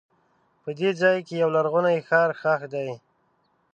په دې ځای کې یو لرغونی ښار ښخ دی.